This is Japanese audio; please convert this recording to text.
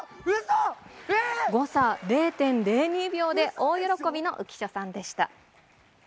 誤差０．０２秒で大喜びの浮所さんでした。